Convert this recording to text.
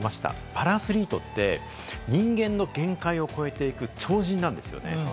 パラアスリートって人間の限界を超えていく超人なんですよね。